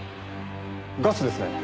ガスですね。